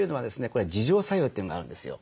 これ自浄作用というのがあるんですよ。